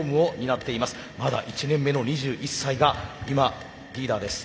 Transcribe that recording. まだ１年目の２１歳が今リーダーです。